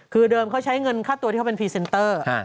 คือเดิมเขาใช้เงินค่าตัวที่เขาเป็นพรีเซนเตอร์